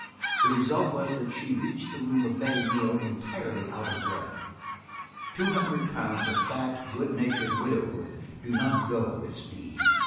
The result was that she, reached the room of Betty Neal entirely out of breath; two hundred pounds of fat, good natured widowhood do not go with speed.